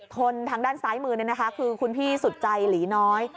ทางด้านซ้ายมือคือคุณพี่สุดใจหลีน้อย